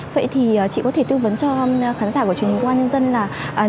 vậy thì chị có thể tư vấn cho khán giả của truyền hình công an nhân dân là